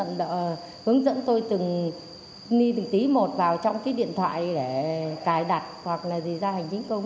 hướng dẫn tôi từng ni từng tí một vào trong cái điện thoại để cài đặt hoặc là gì ra hành chính công